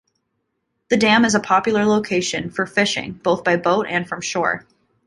The dam is a popular location for fishing, both by boat and from shore.